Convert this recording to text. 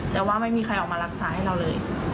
แต่ว่าไม่มีใครออกมารักษาให้เราเลย